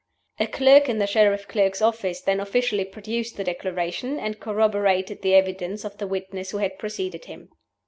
A clerk in the Sheriff Clerk's office then officially produced the Declaration, and corroborated the evidence of the witness who had preceded him.